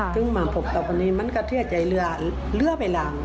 คือมาพบตอนนี้มันก็เชื่อใจเหลือไปหลัง